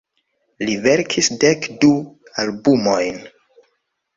Li verkis dek du albumojn.